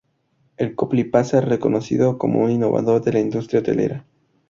El Copley Plaza es reconocido como un innovador en la industria hotelera.